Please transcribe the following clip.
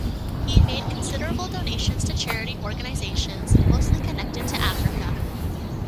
He made considerable donations to charity organizations, mostly connected to Africa.